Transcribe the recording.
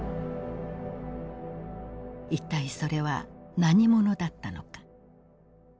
一体それは何者だったのか。